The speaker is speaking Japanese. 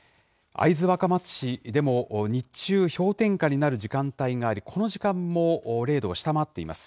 会津若松市でも、日中氷点下になる時間帯があり、この時間も０度を下回っています。